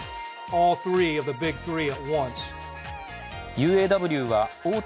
ＵＡＷは大手